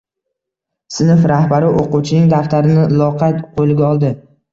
Sinf rahbari o’quvchining daftarini loqayd qo‘liga oldi.